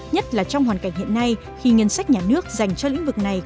nhất là trong hoàn cảnh hiện nay khi ngân sách nhà nước dành cho lĩnh vực này